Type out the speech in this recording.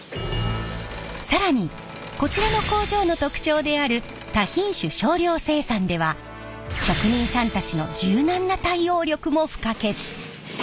更にこちらの工場の特徴である多品種少量生産では職人さんたちの柔軟な対応力も不可欠。